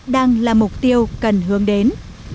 đang là mục tiêu cần hướng đến